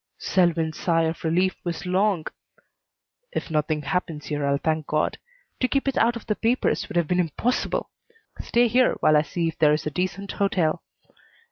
Selwyn's sigh of relief was long. "If nothing happens here I'll thank God. To keep it out of the papers would have been impossible. Stay here while I see if there is a decent hotel."